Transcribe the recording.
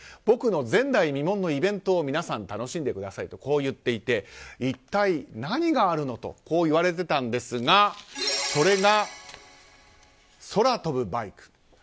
僕の前代未聞のイベントを皆さん楽しんでくださいとこう言っていて一体何があるのとこう言われてたんですがそれが、空飛ぶバイク。